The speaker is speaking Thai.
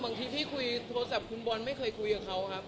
บางทีที่คุยโทรศัพท์คุณบอลไม่เคยคุยกับเขาครับ